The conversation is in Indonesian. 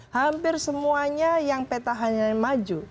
hampir semuanya yang petahannya maju